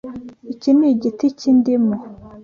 Iki ni igiti cy'indimu. (